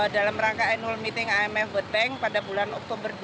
dalam rangka annual meeting imf world bank pada bulan oktober dua ribu dua